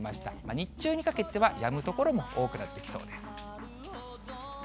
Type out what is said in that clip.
日中にかけてはやむ所も多くなってきそうです。